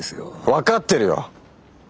分かってるよ！